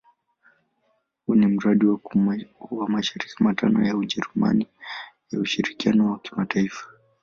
Huu ni mradi wa mashirika matano ya Ujerumani ya ushirikiano wa kimataifa.